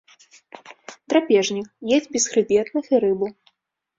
Драпежнік, есць бесхрыбетных і рыбу.